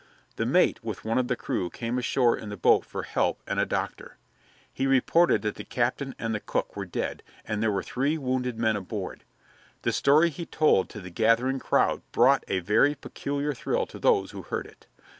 The mate with one of the crew came ashore in the boat for help and a doctor. He reported that the captain and the cook were dead and there were three wounded men aboard. The story he told to the gathering crowd brought a very peculiar thrill to those who heard it.